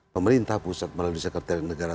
pemerintah pusat melalui sekretariat negara